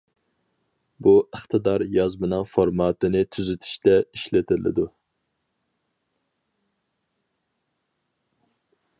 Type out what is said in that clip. بۇ ئىقتىدار يازمىنىڭ فورماتىنى تۈزىتىشتە ئىشلىتىلىدۇ.